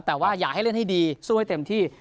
แต่ว่าอยากให้เล่นให้ดีสู้ให้เต็มที่